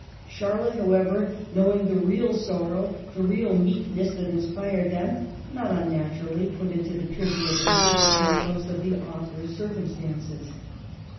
Charlotte, however, knowing the real sorrow, the real meekness that inspired them, not un naturally put into the trivial verses the pathos of the writer's circumstances.